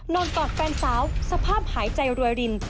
กอดแฟนสาวสภาพหายใจรวยริน